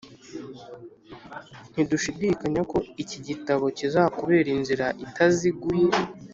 Ntidushidikanya ko iki gitabo kizakubera inzira itaziguye